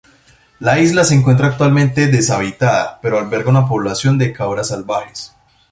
La isla se encuentra actualmente deshabitada, pero alberga una población de cabras salvajes.